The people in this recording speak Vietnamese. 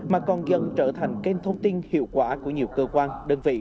mà còn dần trở thành kênh thông tin hiệu quả của nhiều cơ quan đơn vị